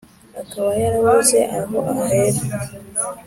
akaba yarabuze aho ahera